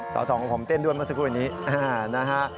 สอสองของผมเต้นด้วยเมื่อสักครู่นี้นะฮะ